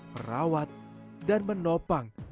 merawat dan menopang